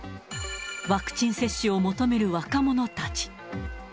ワクチン接種を求める若者たち。